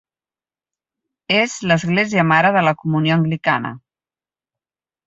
És l'església mare de la Comunió Anglicana.